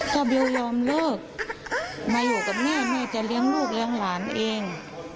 ก็บิวยอมเลิกมาอยู่กับแม่แม่จะเลี้ยงลูกเลี้ยงหลานเอง